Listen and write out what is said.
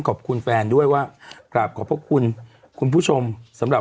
ขอบคุณแฟนด้วยว่ากราบขอบพระคุณคุณผู้ชมสำหรับ